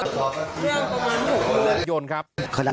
เที่ยงประมาณ๖เดือนครับ